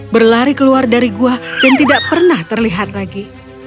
berlari keluar dari gua dan tidak pernah terlihat lagi